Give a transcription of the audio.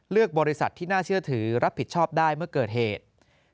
บริษัทที่น่าเชื่อถือรับผิดชอบได้เมื่อเกิดเหตุ